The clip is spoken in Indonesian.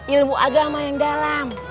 ilmu agama yang dalam